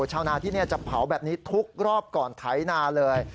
ชาวนาที่นี่จะเผาแบบนี้ทุกรอบก่อนไถนาเลย